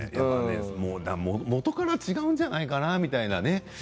元から違うんじゃないかなみたいな。